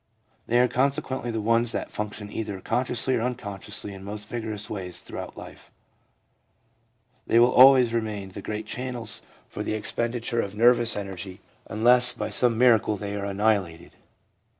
They are consequently the ones that function either consciously or unconsciously in most vigorous ways throughout life. They will always remain the great channels for the expenditure of nervous energy unless 2 9 2 THE PSYCHOLOGY OF RELIGION by some miracle they are annihilated.